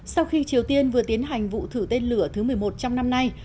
sau khi triều tiên vừa tiến hành vụ thử tên lửa thứ một mươi một trong năm nay